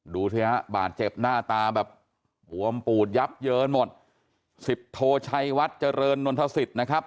ดูสิฮะบาดเจ็บหน้าตาแบบบวมปูดยับเยินหมดสิบโทชัยวัดเจริญนนทศิษย์นะครับ